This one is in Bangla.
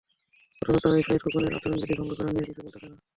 অথচ তারা সাঈদ খোকনের আচরণবিধি ভঙ্গ করা নিয়া কিছু বলতাছে না।